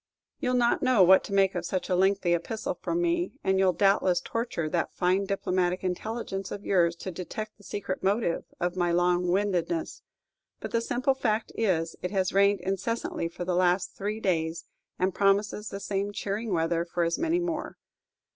You 'll not know what to make of such a lengthy epistle from me, and you 'll doubtless torture that fine diplomatic intelligence of yours to detect the secret motive of my long windedness; but the simple fact is, it has rained incessantly for the last three days, and promises the same cheering weather for as many more.